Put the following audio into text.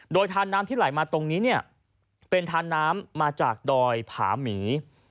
โดยทานน้ำที่ไหลมาตรงนี้เนี่ยเป็นทานน้ำมาจากดอยผาหมี